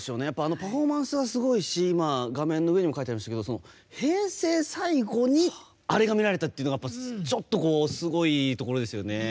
パフォーマンスがすごいし画面の上にもありましたけど平成最後にあれが見られたというのがちょっとすごいところですよね。